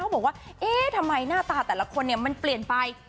บอกว่าเอ๊ะทำไมหน้าตาแต่ละคนมันเปลี่ยนไป